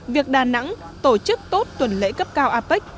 việc đà nẵng tổ chức tốt tuần lễ cấp cao apec